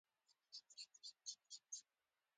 زړه د ژوند ګل دی.